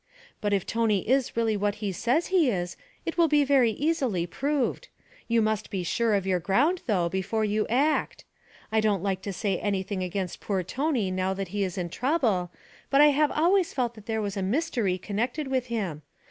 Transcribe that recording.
But if Tony is really what he says he is it will be very easily proved. You must be sure of your ground, though, before you act. I don't like to say anything against poor Tony now that he is in trouble, but I have always felt that there was a mystery connected with him.